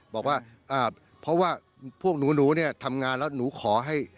บอกว่าเพราะว่าพวกหนูเนี่ยทำงานแล้วหนูขอให้